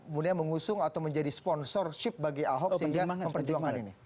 kemudian mengusung atau menjadi sponsorship bagi ahok sehingga memperjuangkan ini